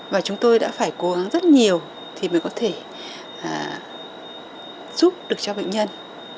và chúng tôi đã phải cố gắng rất nhiều thì mới có thể giúp được cho bệnh nhân